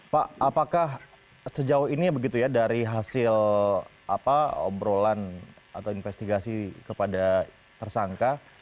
pak apakah sejauh ini begitu ya dari hasil obrolan atau investigasi kepada tersangka